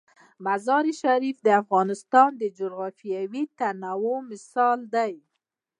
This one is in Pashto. مزارشریف د افغانستان د جغرافیوي تنوع مثال دی.